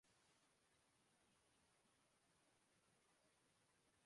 radio show نے ہمیں مشتعل کر دیا مسز وارد کہتی ہے